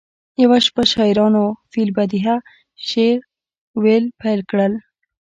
یوه شپه شاعرانو فی البدیهه شعر ویل پیل کړل